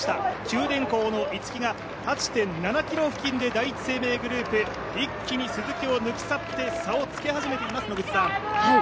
九電工の逸木が、８．７ｋｍ付近で第一生命グループ、一気に鈴木を抜き去って差をつけ始めています。